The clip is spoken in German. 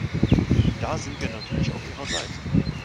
Da sind wir natürlich auf Ihrer Seite.